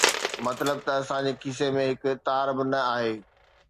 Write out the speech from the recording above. مطلب ته اسان جي کيسي ۾ هڪ تار به نه آهي